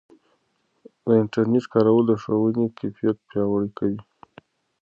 د انټرنیټ کارول د ښوونې کیفیت پیاوړی کوي.